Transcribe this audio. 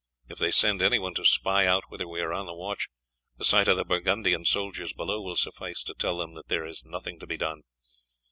If they send anyone to spy out whether we are on the watch, the sight of the Burgundian soldiers below will suffice to tell them that there is nothing to be done.